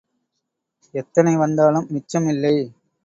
எத்தனை வந்தாலும் மிச்சம் இல்லை.